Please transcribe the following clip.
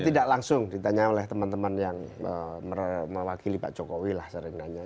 tidak langsung ditanya oleh teman teman yang mewakili pak jokowi lah sering nanya